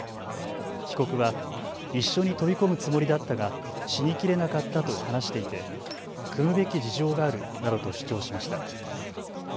被告は一緒に飛び込むつもりだったが死にきれなかったと話していて、酌むべき事情があるなどと主張しました。